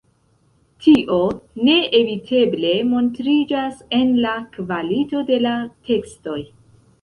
Tio neeviteble montriĝas en la kvalito de la tekstoj.